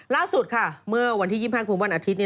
ล่าสุดค่ะเมื่อวันที่๒๕คือวันอาทิตย์